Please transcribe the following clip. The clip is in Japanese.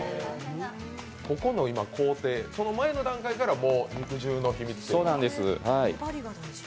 ここの工程、その前の段階から肉汁の秘密が。